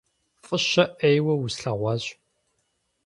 ФӀыщэ Ӏейуэ услъэгъуащ…